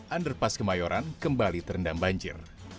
underpass kemayoran kembali terendam banjir